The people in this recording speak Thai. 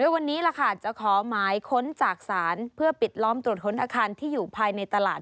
วันนี้ล่ะค่ะจะขอหมายค้นจากศาลเพื่อปิดล้อมตรวจค้นอาคารที่อยู่ภายในตลาด